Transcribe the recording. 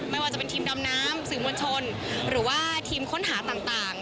ไม่ว่าจะเป็นทีมดำน้ำสื่อมวลชนหรือว่าทีมค้นหาต่าง